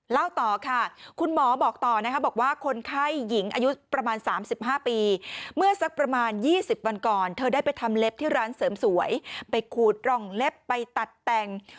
เล่าต่อค่ะคุณหมอบอกต่อนะคะบอกว่าคนไข้หญิงอายุประมาณ๓๕ปีเมื่อสักประมาณ๒๐วันก่อนเธอได้ไปทำเล็บที่ร้านเสริมสวยไปขูดร่องเล็บไปตัดแต่ง